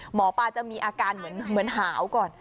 หมอปลาจะมีอาการเหมือนหาวก่อน